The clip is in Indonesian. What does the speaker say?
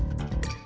ini udah berangkat